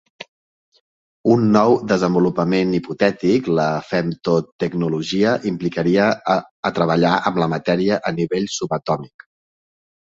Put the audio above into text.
Un nou desenvolupament hipotètic, la femtotecnologia, implicaria treballar amb la matèria a nivell subatòmic.